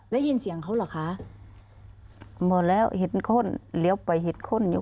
มาเยอะเกรียดแล้วแล้ว